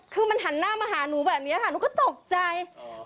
คือมันหันหน้ามาหาหนูแบบนี้ค่ะหนูก็ตกใจ